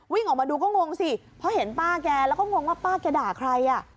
วิ่งออกมาดูก็งงสิเพราะเห็นป้าแกแล้วก็งงว่าป้าแกด่าใครอ่ะ